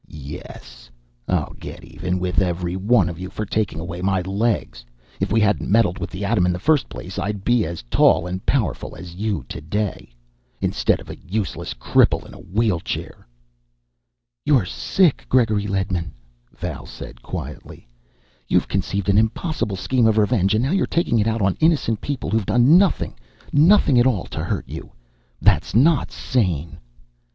"Yes! I'll get even with every one of you for taking away my legs! If we hadn't meddled with the atom in the first place, I'd be as tall and powerful as you, today instead of a useless cripple in a wheelchair." "You're sick, Gregory Ledman," Val said quietly. "You've conceived an impossible scheme of revenge and now you're taking it out on innocent people who've done nothing, nothing at all to you. That's not sane!"